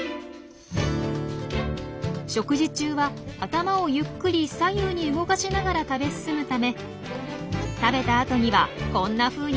食事中は頭をゆっくり左右に動かしながら食べ進むため食べた後にはこんなふうに独特な模様が残されます。